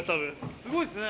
すごいっすね。